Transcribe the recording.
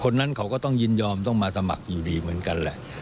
คนนั้นเขาก็ต้องยินยอมต้องมาสมัครอยู่ดีเหมือนกันแหละ